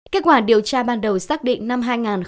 kết quả điều tra ban đầu xác định năm hai nghìn hai mươi một